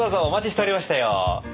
お待ちしておりましたよ。